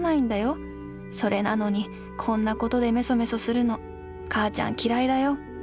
それなのにこんなことでめそめそするの母ちゃん嫌いだよ。